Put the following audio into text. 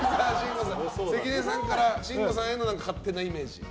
関根さんから慎吾さんへの勝手なイメージ。